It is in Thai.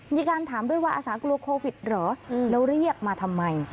มีการถามด้วยว่าอาสากลัวโควิดเหรอแล้วเรียกมาทำไม